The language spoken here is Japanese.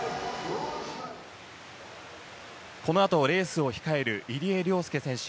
このあとレースを控える入江陵介選手。